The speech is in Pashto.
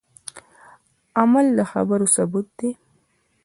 عمل د خبرو ثبوت دی